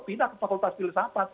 pindah ke fakultas filsafat